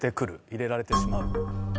入れられてしまう。